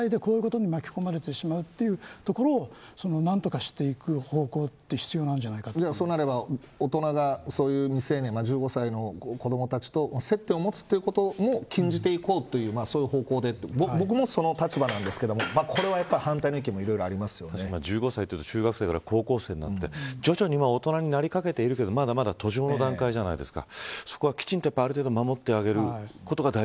１５歳でこういうことに巻き込まれてしまうというところを何とかしていく方向がそうなれば大人がそういう未成年１５歳の子どもたちと接点を持つことも禁じていこうという方向で僕も、その立場なんですけどこれは反対の意見も１５歳といったら中学生から高校生になって徐々に大人になりかけているけどまだまだ年頃の段階じゃないですか。